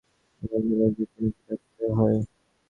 ফার্মের মুরগির ডিমের সঙ্গে তার এমন মিল যে কিনলে ঠকতে হয়।